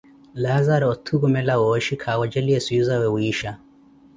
Laazaru otukhumela wooshi kha wejeleeni swiizawe wiisha.